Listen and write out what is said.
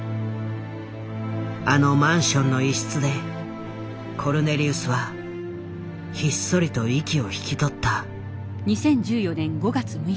あのマンションの一室でコルネリウスはひっそりと息を引き取った。